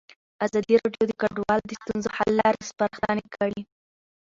ازادي راډیو د کډوال د ستونزو حل لارې سپارښتنې کړي.